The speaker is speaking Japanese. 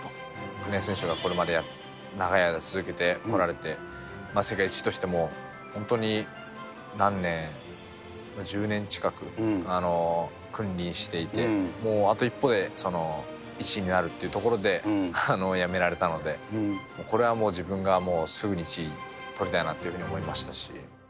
国枝選手がこれまで長い間続けてこられて、世界一としても本当に、何年、１０年近く君臨していて、もうあと一歩でその１位になるっていうところで、やめられたので、これはもう自分がすぐに１位取りたいなっていうふうに思いました